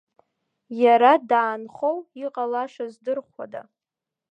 Иара даанхоу, иҟалаша здырхуада.